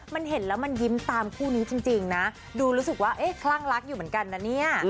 มันเห็นแล้วมันยิ้มตามคู่นี้จริงนะดูรู้สึกว่าเอ๊ะคลั่งรักอยู่เหมือนกันนะเนี่ย